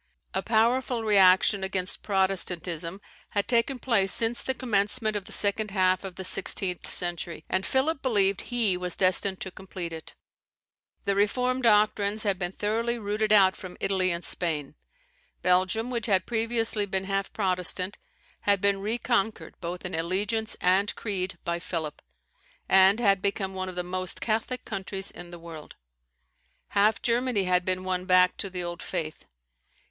A powerful reaction against Protestantism had taken place since the commencement of the second half of the sixteenth century, and Philip believed that he was destined to complete it. The Reform doctrines had been thoroughly rooted out from Italy and Spain. Belgium, which had previously been half Protestant, had been reconquered both in allegiance and creed by Philip, and had become one of the most Catholic countries in the world. Half Germany had been won back to the old faith.